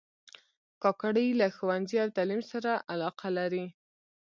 کاکړي له ښوونځي او تعلیم سره علاقه لري.